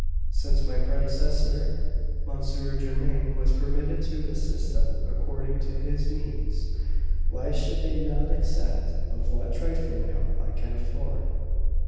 Since my predecessor, M. Germain, was permitted to assist them according to his means, why should they not accept of what trifling help I can afford?"